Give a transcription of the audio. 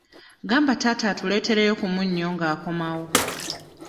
Gamba taata atuleetereyo ku munnyo nga akomawo.